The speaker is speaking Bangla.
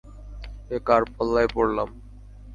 এ কার পাল্লায় পড়লাম!